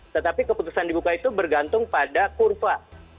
tetapi keputusan dibuka itu bergantung pada kurva